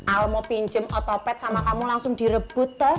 al mau pinjem otopet sama kamu langsung direbut tuh